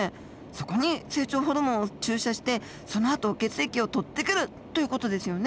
そこに成長ホルモンを注射してそのあと血液を採ってくるという事ですよね。